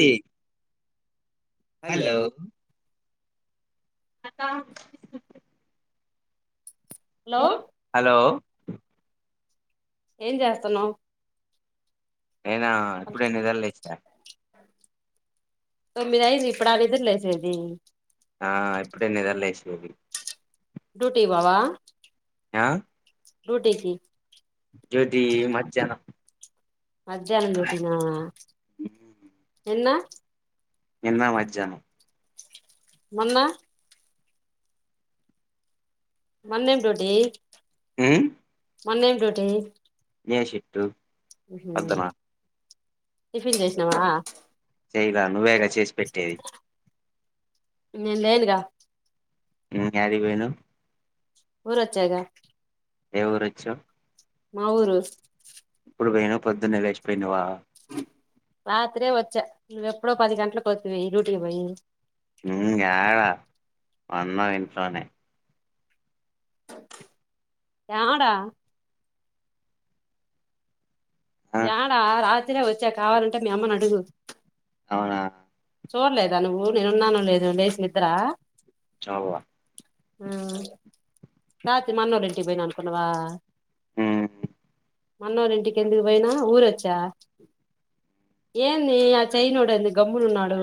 ఏ hello అద hello hello ఏం చేస్తున్నావ్ నేనా ఇప్పుడే నిదర్లేస తోమ్మిదైది ఇప్పుడ నిద్రలేసేది ఆ ఇప్పుడే నిద్ర లేషూండి డ్యూటీ కి పోవా ఆ డ్యూటీకి డ్యూటీ మద్యన్నం మధ్యనం డ్యూటీనా నిన్న నిన్న మధ్యాహ్నం మొన్న మొన్నేం డ్యూటి మ్ మొన్న ఏం డ్యూటీ డే షిఫ్ట్ మ్ హు పొద్దున టిఫిన్ చేసినావా చేయలే నువ్వేగా చేసి పెట్టేది నిన్ లేదు గా నేన్ యాడికిపోయినం ఊరు వచ్చాగా ఏ ఊరు వచ్చావ్ మా ఊరు ఎప్పుడు పోయినవ్ పొద్దున్నే లేచిపోయినవా రాత్రే వచ్చా నువ్వెప్పుడో పది గంటలకు వత్తివి డ్యూటీకి పోయి ఉన్న ఇంట్లోనే యాడ ఆ యాడ రాత్రే వచ్చా కావాలంటే మీ అమ్మని అడుగు అవునా చూడలేదా నువ్వు నేనున్నానో లేదో లేచి నిద్ర చూలే హ రాత్రి మా అన్నోళ్ల ఇంటికి పోయిన అనుకున్నావా మ్మ్ మా అన్నోళ్ళ ఇంటికి ఎందుకు పోయినా ఊరొచ్చా ఏంది ఆ చైనోడు ఏంది గమ్మునున్నాడు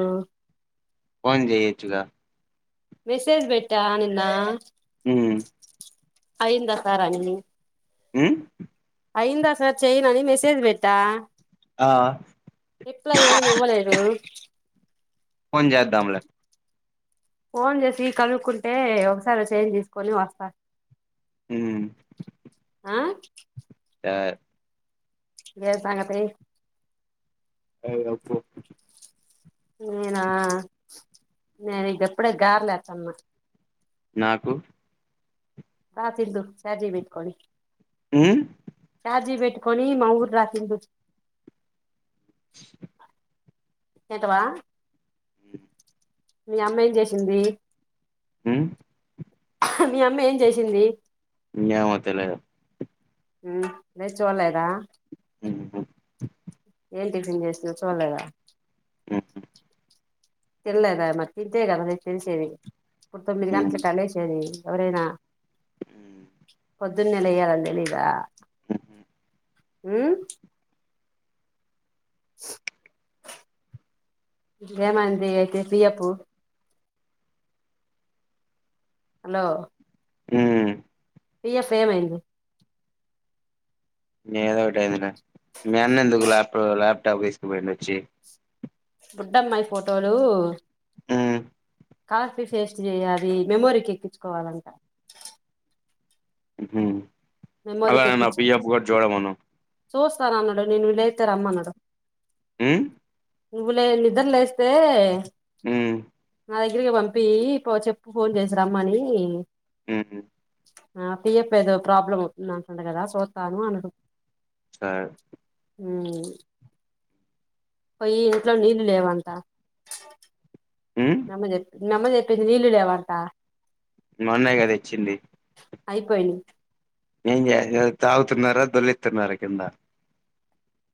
పోన్ చేయయిచ్చగా మెసేజ్ పెట్టా నిన్న హమ్ అయిందా సార్ అన్ని మ్ అయిందా సార్ చెయన అని మెసేజ్ పెట్టా ఆ రిప్లై ఏమీ ఇవ్వలేదు ఫోన్ చేద్దాంలే ఫోన్ చేసి కనుక్కుంటే ఒకసారే చైన్ తీసుకొని వస్తా మ్ ఆ ఆ ఏ సంగతి ఐ [unintelligible] నేనా నేను ఇప్పుడే గారెలు ఏతున్న నాకు రా తిందువ్ చార్జీ పెట్టుకొని మ్ చార్జీ పెట్టుకొని మా ఊరు రా తిందువ్ ఎటవా మీ అమ్మ ఏం చేసింది మ్ మీ అమ్మ ఏం చేసింది ఏం వద్దులే మ్ మీర్ చూడలేదా ఏం టిఫిన్ చేసిందో చూడలేదా తినలేదా మరి తింటే కదమే తెలిసేది ఇప్పుడు తొమ్మిది గంటలకలేసేది ఎవరేనా మ్ పొద్దున్నెలయాల తెలిదా మ్ ఏమైంది అయితే పి ఎప్పు హలో ఉమ్ పి ఎఫ్ ఎమయింది మెదో ఒకటి అయింది గా మీ అన్న ఎందుకు ల్యాప్ ల్యాప్టాప్ తీసుకుపోయిండి వచ్చి బుడ్డమ్మాయి ఫోటోలు కాఫీ ఫేస్ట్ చేయాలి మెమోరీకి ఎక్కించుకోవాలంట మ్ అలానేన్న పిఎప్పు గట్ జోడమన్నా చూస్తారా అన్నాడు నేను విలైతేరమ్మనడు మ్ నువ్వులే నిద్ర లేస్తే ఉమ్ నా దగ్గరికి పంపి ఇ పో చెప్పు ఫోన్ చేసి రమ్మని మ్ ఆ పియప్ప ఏదో ప్రాబ్లం అవుతుంది అను సంట కదా సుత్తను అను స మ్ పోయి ఇంట్లో నీళ్ళు లేవంట ఉమ్, నమ్మ జెప్ప నమ్మది జెప్పంది నీల్లు లేవంటా మన్నాయి గాదా దేచ్చింది అయిపోయిను ఏం [unintelligible] తాగుతున్నారా దొలిత్స్తున్నారా కింద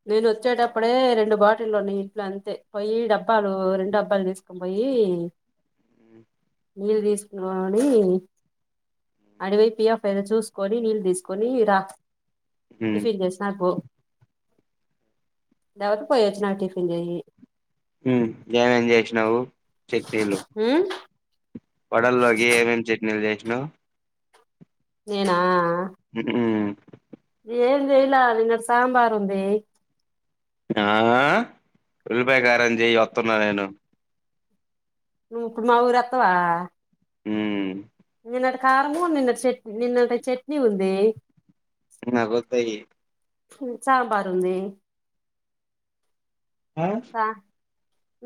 నేను వచ్చేటప్పుడే రెండు బాటిలు [unintelligible] అంతే పోయి డబ్బాలు రెండు డబ్బాలు తీసుకొని పోయి ఏ నీళ్ళు తీసుకున్నావా అని అడివైపుయాఫ్ ఏదో చూసుకొని నీళ్ళు తీసుకొని రా ఉమ్, టిఫిన్ చేసనా పో దావాతే పోయి వచ్చు నాంకా టిఫిన్ జెయి మ్ ఏమేం చేసినావు శక్తిలు ఉమ్ వడల్లోకి ఏమేమి చట్నీలు చేసిన్ నేనా ఉమ్ ఏం జయలా నింగ సాబారు ఉంది ఆ ఉల్పాయ కారంం చె్య వస్తున్నా నేను నుప్పుడు మా ఊరు అత్తవా ఉమ్ నిన్నటి కారంము నిన్న చట్ నిన్నటి చట్నీ ఉంది అ పోద్దాయి చబారు ఉంది ఆ సా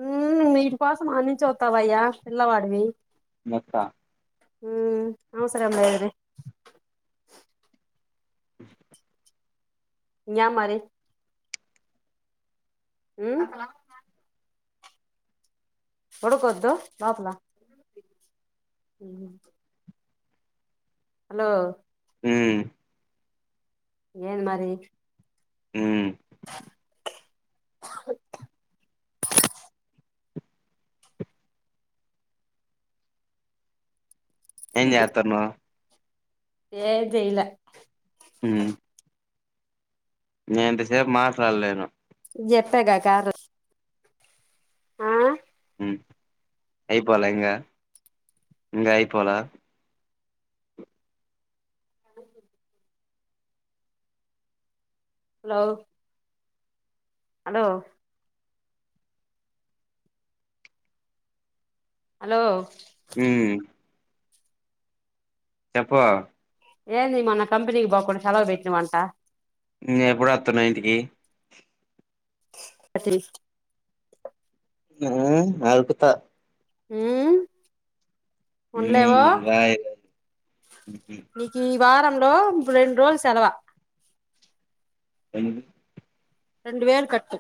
ఉమ్ వీటి కోసం అన్నించ వస్తావయ్యా పిల్లవాడివి మత్తా ఉమ్ అవు సరే అమ్ల అది యా మరి మ్ పడుకోద్దు లోపల హలో మ్ ఏన్ మరి మ్ ఎం చేతున్నావ్ ఏ చేయలే ఉమ్ నేను ఇంతసేపు మాట్లాడలేను చేప్పగా కాదు మ్ అయిపోాలే ఇంగ ఇంగ ఆయిపోలే అ లో హలో హలో ఉమ్ చెప్పు ఏంది మొన్న కంపెనికి పోకుండా సెలవు పెట్టినావంట న్ ఎప్పుడోస్తున్నావ్ ఇంటికి త్రి మ్ నరుకుతా మ్ ఉండలేవు ఉమ్ రాయ్ నికి వారంలో రెండు రోజులు సేలవా ఎందుకు రెండు వేలు కట్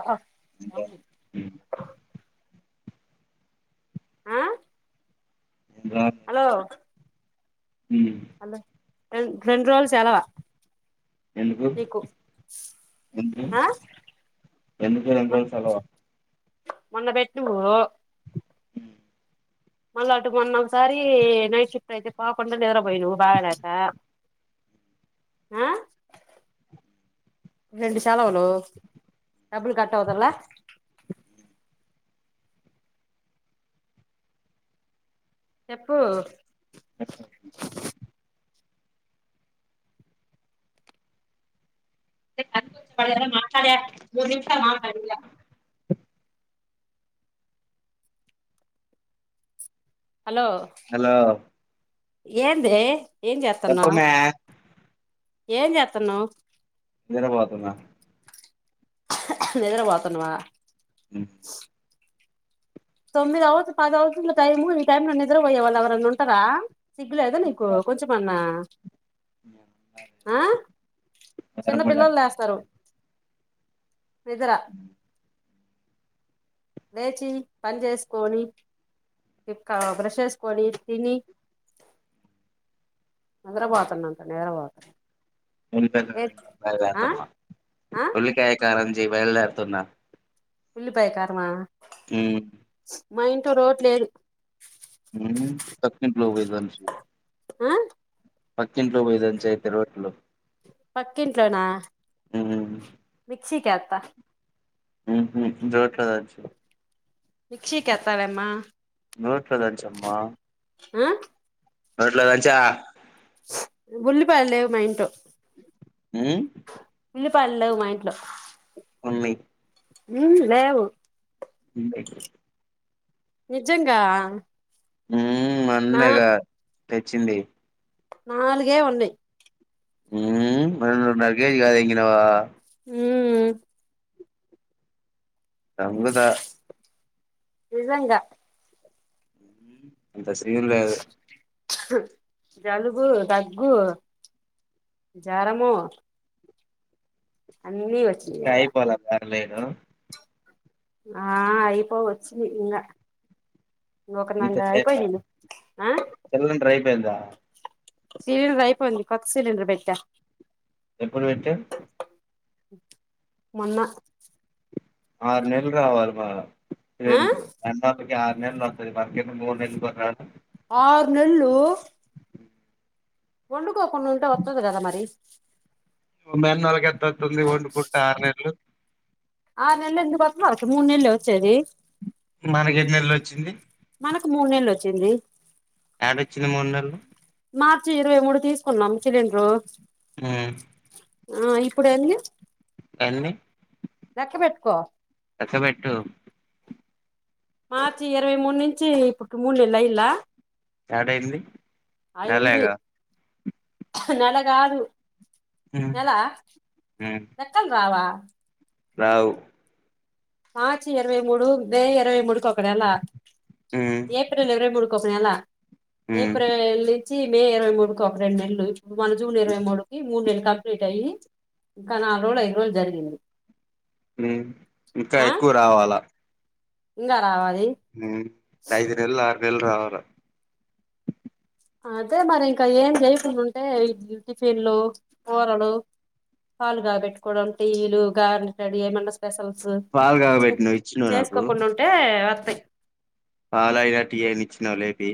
ఆహా ఆ నేను రాను. హలో ఉమ్ హలో రెన్ రెండు రోజులు సేలవా ఎందుకు ఎందుకు ఆ ఎందుకు రెండు రోజులు పేరు సెలవు మొన్న పెట్నవు మ్ మళ్ళీ అటు మొన్న ఒకసారి నైట్ షిఫ్ట్ అయితే పాకుండా నిద్ర పోయినవు బాగాలేక ఆ రెండు సెలవులు డబ్బులు కట్ అవ్వటం లే చెప్పు సఓ మాట్లాడ మూడు నిమిషాలు అగు మరి ఇగ హలో హలో ఏందీ ఏం చెప్పు చేతన్నావ్ మే ఏం చేతన్నావ్ నిద్ర పోతున్న నిదుర పోతున్నవా ఉమ్ తొమ్మిది అవత పదైవతుంది టైము ఈ టైంలో లో నిద్రపో పోయే వాళ్ళు ఎవరన్న ఉంటరా సిగ్గు లేదు నీకు కొంచెం అన్న ఆ చిన్న పిల్లలు నిద్రపోడానికి లేస్తరు నిదర లేచి పని జేస్కోని చిక్కగ బ్రెష్ చేసుకోని తిని నిదర బోతున్నంట నిదుర బోతున్న ఉల్లిపాయ కారం చేయ్ బయలు దేరుతున్న, ఆ ఉల్లికాయ కారం చేయ్ బయలు దేరుతున్న ఉల్లిపాయ కారమా ఉమ్ మా ఇంట్లో రోట్ లేదు ఊమ్ పక్కింట్లో పోయి దంచు ఉమ్ పక్కింట్లో పోయి దంచు ఐతే రోట్లో పక్కింట్లోనా ఉమ్ మిక్సీ కేత్త ఉహు రోట్లో దంచు మిక్సీ కేత్త లేమ్మా రోట్లో దంచు అమ్మా ఉమ్ రోట్లో దంచు ఆ ఉల్లిపాయలు లేవ్ మా ఇంట్లో ఊమ్ ఉల్లిపాయలు లేవు మా ఇంట్లో ఉన్నయి ఊమ్ లేవు ఉన్నయ్ నిజంగా ఊమ్ నా మొన్నెగ తెచ్చింది నాలుగే ఉన్నయి ఊమ్ మూడున్నర కేేజీ కాదు ఎంగినవా [inaudible] ఊ ఉమ్ సంపుతా నిజంగ ఊమ్ అంత సీన్ లేదు జలుబు, దగ్గు, జ్వరము అన్నీ వచ్చినయ లేను ఆ అయిపో వచ్చి ఇంగ ఒక నంగా ఇంతసేపు ఐపోయింది ఇగ ఆ సిలిండర్ అయిపోయిందా సీరియల్ అయిపోయింది కొత్త సీరియల్ పెట్టా ఎప్పుడు విట్ మొన్న ఆరు నెలలు రావాలి మల్ల ఆ [unintelligible] ఆరు నెలలు వస్తది మనకేమో మూడు నెలలు కూడా రాద్ ఆరు నెళ్ళు వండుకోకుండా ఉంటే వస్తది కదా మరి మీ అన్నోళ్ళకి ఎట్లా వస్తోంది వండుకుంటా ఆరు నెల్లు అతే మూడు నెలలే వచ్చేది మనకెన్నేళ్లు వచ్చింది మనకు మూడు నేెళ్లు వచ్చింది ఏడొచ్చింది మూడు నేెళ్లు మార్చి ఇరవై మూడు తీసుకున్నాం సిలిండర్ మ్ ఆ ఇప్పుడు ఎన్ని ఎన్ని లెక్క పెట్టుకో లెక్కపెట్టు మార్చి ఇరవై మూడు నుంచి ఇప్పుడు మూడు నేెళ్లు అయిల ఏడయింది నెలేగా నెల కాదు ఉమ్ నెల ఉమ్ లెక్కలు రావా రావు మార్చ్ ఇరవై మూడు మే ఇరవై మూడు క నెల ఉమ్ ఏప్రిల్ ఇరవై మూడు వస్తే నెల ఉమ్ ఏప్రిల్ వచ్చి మే ఇరవై మూడుకి ఒక రెండు నెలలు ఇప్పుడు మన జూన్ ఇరవై మూడుకి మూడుెలలు కంప్లీట్ అయ్యి ఇంకా నాలుగు రోజులు ఐదు రోజులు జరిగింది మ్ ఇంకా ఎక్కువ రావాలా ఇంక రావాలి హ ఐదునేెళ్లు ఆరునేెళ్లు రావాల అయితే మరి ఇంకా ఏం చేయకుడాంటే టిఫిన్లు కూరలు పాలుగాబెట్టుకోవడం టీలు గరెలు ఇట్లాంటివి ఏమన్నా స స్పెషల్స్ పాలు చే కాగబెట్టినవు ఇచ్చినవు చేసుకోకుండా ఉంటే వస్తాయి పాలైన టీ అయినా ఇచ్చినవా లేపి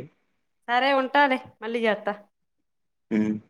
సరే ఉంటాలే మళ్ళీ చేస్త హ